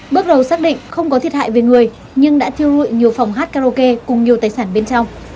bước đầu xác định không có thiệt hại về người nhưng đã thiêu dụi nhiều phòng hát karaoke cùng nhiều tài sản bên trong